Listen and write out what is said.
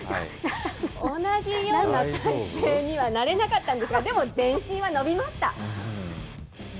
同じような体勢にはなれなかったんですが、でも、全身は伸びました。